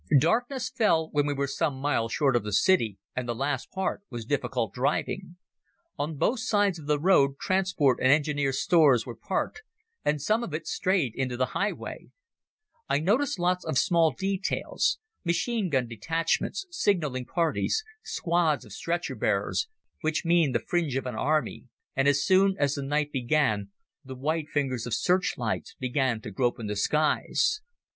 Darkness fell when we were some miles short of the city, and the last part was difficult driving. On both sides of the road transport and engineers' stores were parked, and some of it strayed into the highway. I noticed lots of small details—machine gun detachments, signalling parties, squads of stretcher bearers—which mean the fringe of an army, and as soon as the night began the white fingers of searchlights began to grope in the skies.